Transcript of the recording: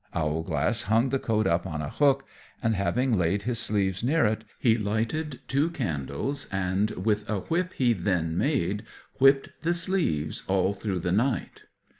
Owlglass hung the coat up on a hook, and having laid the sleeves near it, he lighted two candles, and, with a whip he then made, whipped the sleeves all through the night.